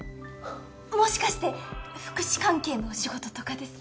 もしかして福祉関係のお仕事とかですか？